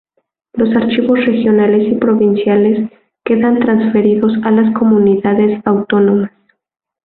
Los archivos regionales y provinciales quedan transferidos a las Comunidades Autónomas.